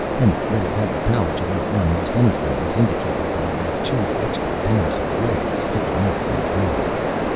And that it had the power to outrun most anything was indicated by the two extra pairs of legs sticking out from the bottom.